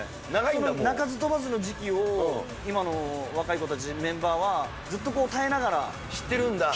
その鳴かず飛ばずの時期を、今の若い子たち、メンバーはずっと耐えながら、知ってるんで。